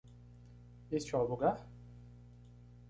Este é o lugar?